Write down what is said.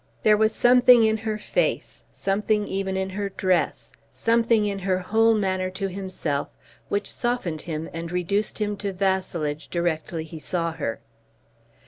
There was something in her face, something even in her dress, something in her whole manner to himself, which softened him and reduced him to vassalage directly he saw her.